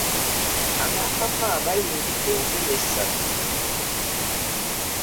Abaakafa bayingidde enkumi essatu.